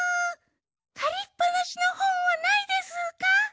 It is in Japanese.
かりっぱなしのほんはないでスか？